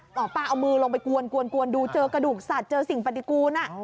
หมอปลาเอามือลงไปกวนดูเจอกระดูกสัตว์เจอสิ่งปฏิกูล